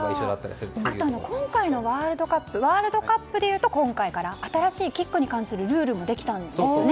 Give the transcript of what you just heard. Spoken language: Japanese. あとワールドカップでいうと今回から新しいキックに関するルールもできたんですよね。